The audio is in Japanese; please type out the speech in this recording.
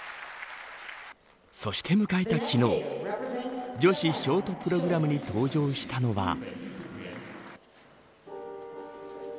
そして、迎えた昨日女子ショートプログラムに登場したのは。